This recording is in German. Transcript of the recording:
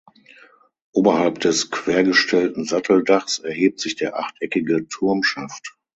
Oberhalb des quergestellten Satteldachs erhebt sich der achteckige Turmschaft.